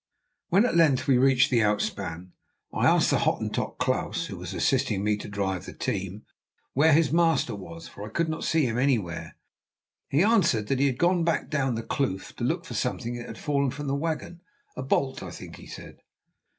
When at length we reached the outspan I asked the Hottentot, Klaus, who was assisting me to drive the team, where his master was, for I could not see him anywhere. He answered that he had gone back down the kloof to look for something that had fallen from the wagon, a bolt I think he said.